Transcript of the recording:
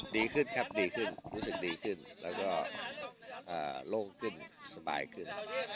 ดีขึ้นครับดีขึ้นรู้สึกดีขึ้นแล้วก็โล่งขึ้นสบายขึ้น